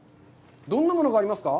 どんなものがありますか？